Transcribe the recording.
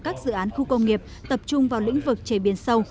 các dự án khu công nghiệp tập trung vào lĩnh vực chế biến sâu